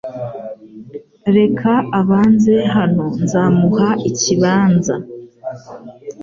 Reka abanze hano nzamuha ikibanza